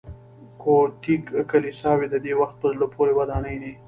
ګوتیک کلیساوې د دې وخت په زړه پورې ودانۍ دي.